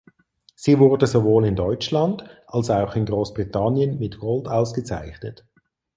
Sie wurde sowohl in Deutschland als auch in Großbritannien mit Gold ausgezeichnet.